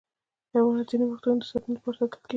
حیوانات ځینې وختونه د ساتنې لپاره ساتل کېږي.